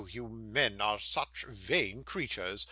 you men are such vain creatures!